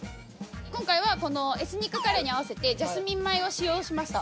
今回はこのエスニックカレーに合わせてジャスミン米を使用しました。